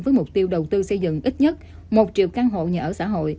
với mục tiêu đầu tư xây dựng ít nhất một triệu căn hộ nhà ở xã hội